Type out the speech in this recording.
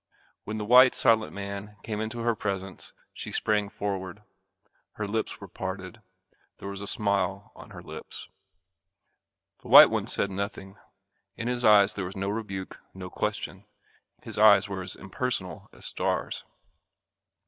When the white silent man came into her presence she sprang forward. Her lips were parted. There was a smile on her lips. The white one said nothing. In his eyes there was no rebuke, no question. His eyes were as impersonal as stars.